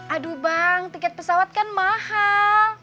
aduh bang tiket pesawat kan mahal